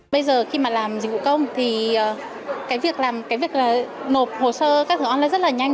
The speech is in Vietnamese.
bây giờ khi mà làm dịch vụ công thì cái việc nộp hồ sơ các hướng online rất là nhanh